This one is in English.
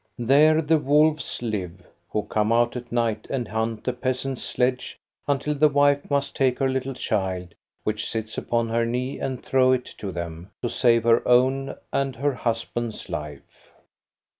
There the wolves live, who come out at night and hunt the peasant's sledge until the wife must take her little child, which sits upon her knee, and throw it to them, to save her own and her husband's life.